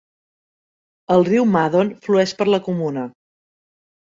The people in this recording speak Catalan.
El riu Madon flueix per la comuna.